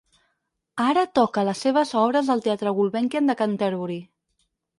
Ara toca les seves obres al Teatre Gulbenkian de Canterbury.